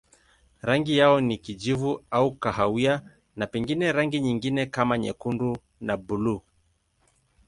Rangi yao ni kijivu au kahawia na pengine rangi nyingine kama nyekundu na buluu.